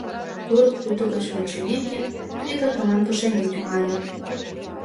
Курык рӱдӧ гоч вончымеке, вигак иман пушеҥге тӱҥале.